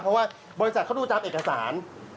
เพราะว่าบริษัทเขาต้องจับเอกสาร